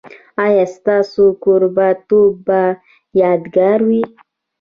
ایا ستاسو کوربه توب به یادګار وي؟